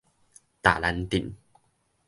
卓蘭鎮